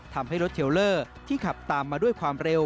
ทำให้รถเทลเลอร์ที่ขับตามมาด้วยความเร็ว